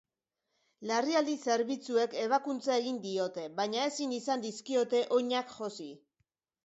Larrialdi zerbitzuek ebakuntza egin diote, baina ezin izan dizkiote oinak josi.